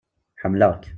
Ḥemmleɣ-k.